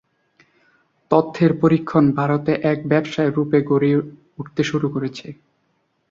তথ্যের পরীক্ষণ ভারতে এক ব্যবসায়ের রূপে গড়ে উঠতে শুরু করেছে।